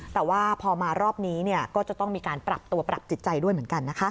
แต่ว่าพอมารอบนี้ก็จะต้องมีการปรับตัวปรับจิตใจด้วยเหมือนกันนะคะ